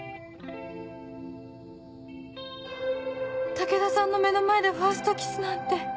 武田さんの目の前でファーストキスなんて